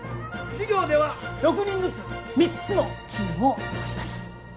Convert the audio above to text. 授業では６人ずつ３つのチームを作ります。